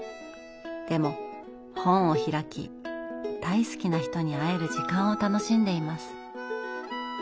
でも本を開き大好きな人に会える時間を楽しんでいます。